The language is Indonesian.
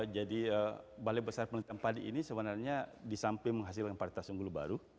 jadi balai besar penelitian padi ini sebenarnya disamping menghasilkan varietas unggul baru